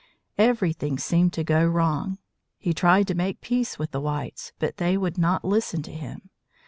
Everything seemed to go wrong. He tried to make peace with the whites, but they would not listen to him.